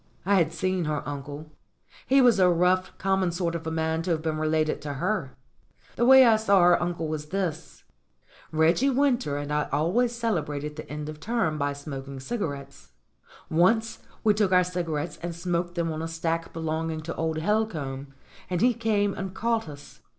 I had seen her uncle. He was a rough, common sort of a man to have been related to her. The way I saw her uncle was this: Reggie Winter and I always cele brated the end of term by smoking cigarettes. Once we took our cigarettes and smoked them on a stack belonging to old Helcomb, and he came and caught us.